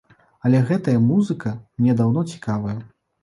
Але гэтая музыка мне даўно цікавая.